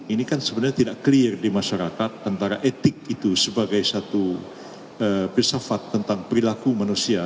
ini kan sebenarnya tidak clear di masyarakat antara etik itu sebagai satu filsafat tentang perilaku manusia